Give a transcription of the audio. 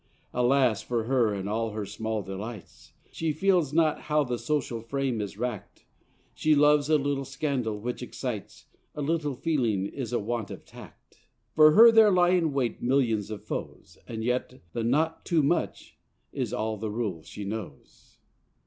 Alas for her and all her small delights! She feels not how the social frame is rack'd. She loves a little scandal which excites; A little feeling is a want of tact. For her there lie in wait millions of foes, And yet the 'not too much' is all the rule she knows.